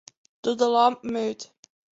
Doch de lampen út.